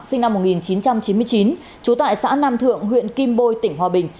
sinh năm một nghìn chín trăm chín mươi chín trú tại xã nam thượng huyện kim bôi tỉnh hòa bình